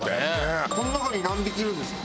この中に何匹いるんですか？